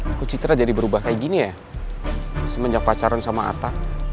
aku citra jadi berubah kayak gini ya semenjak pacaran sama atta